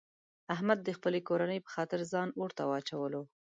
احمد د خپلې کورنۍ په خاطر ځان اورته واچولو.